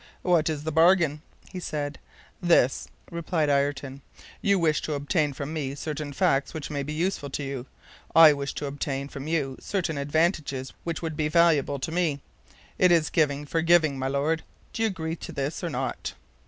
"What is the bargain?" he said. "This," replied Ayrton. "You wish to obtain from me certain facts which may be useful to you. I wish to obtain from you certain advantages which would be valuable to me. It is giving for giving, my Lord. Do you agree to this or not?"